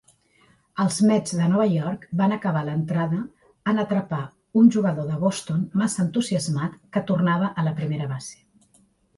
Els Mets de Nova York van acabar l'entrada en atrapar un jugador de Boston massa entusiasmat que tornava a la primera base.